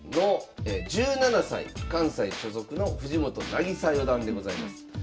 関西所属の藤本渚四段でございます。